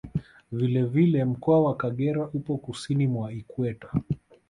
Vile vile Mkoa wa Kagera upo Kusini mwa Ikweta